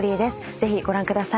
ぜひご覧ください。